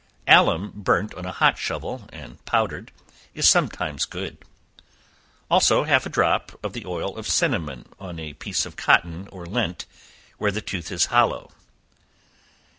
Alum burnt on a hot shovel, and powdered, is sometimes good; also half a drop of the oil of cinnamon, on a piece of cotton or lint, where the tooth is hollow.